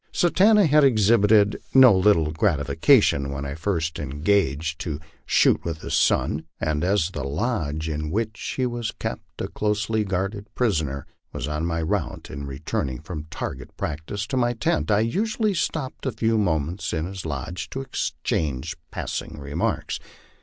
Satanta had exhibited no little gratification when I first engaged to shoot with his son, and as the lodge in which he was kept a closely guarded prisoner was on my route in returning from target practice to my tent, I usually stop ped a few moments in his lodge to exchange passing remarks.